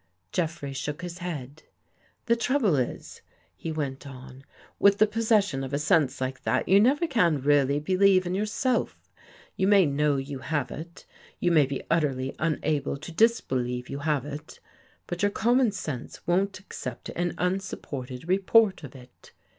" Jeffrey shook his head. " The trouble is," he went on, " with the possession of a sense like that, you never can really believe in it yourself. You may know you have it, you may be utterly unable to disbelieve you have it, but your common sense won't accept an unsupported report of it.